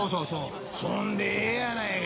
そんでええやないか。